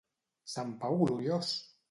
Sant Pau gloriós!